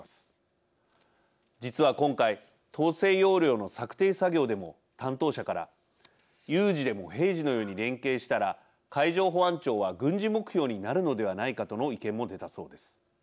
実は今回統制要領の策定作業でも担当者から有事でも平時のように連携したら海上保安庁は軍事目標になるのではないかとの意見も出たそうです。